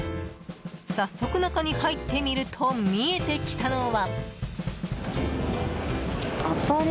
早速、中に入ってみると見えてきたのは。